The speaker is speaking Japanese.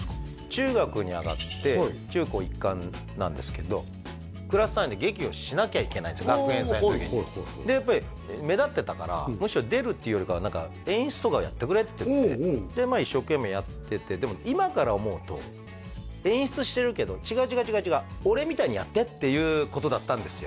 中学に上がって中高一貫なんですけど学園祭の時にでやっぱり目立ってたからむしろ出るっていうよりかは何か演出とかをやってくれって言われて一生懸命やっててでも今から思うと演出してるけど違う違う違う違うっていうことだったんですよ